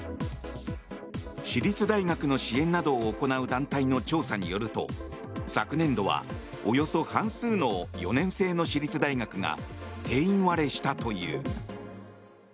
私立大学の支援などを行う団体の調査によると昨年度はおよそ半数の４年制の私立大学が定員割れしたという。